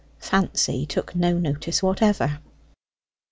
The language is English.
Fancy took no notice whatever.